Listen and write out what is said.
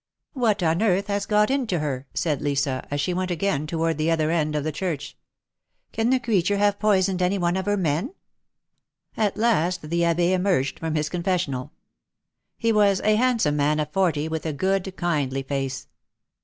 What on earth has got into her?" said Lisa, as she went again toward the other end of the church. '^Can the creature have poisoned any one of her men?" At last the Abbe emerged from his Confessional. He was a handsome man of forty, with a good, kindly face.